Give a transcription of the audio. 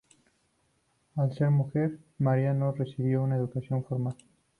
Al ser mujer, Mary no recibió una educación formal.